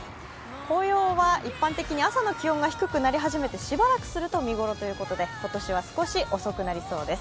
紅葉は一般的に朝の気温が低くなりはじめてしばらくすると見頃になるそうで今年は少し遅くなりそうです。